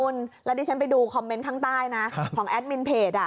คุณแล้วดิฉันไปดูคอมเมนต์ข้างใต้นะของแอดมินเพจ